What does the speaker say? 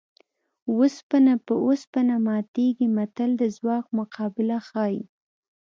اوسپنه په اوسپنه ماتېږي متل د ځواک مقابله ښيي